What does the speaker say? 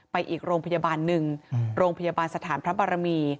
อีกโรงพยาบาลหนึ่งโรงพยาบาลสถานพระบารมี